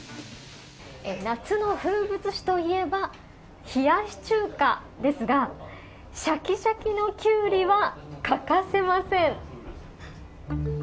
夏の風物詩といえば冷やし中華ですがシャキシャキのキュウリは欠かせません。